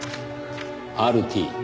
「ＲＴ」